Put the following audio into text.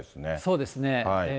そうですね。